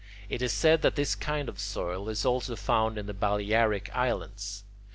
It is said that this kind of soil is also found in the Balearic Islands.